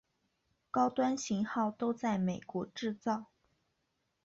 高端型号都在美国制造。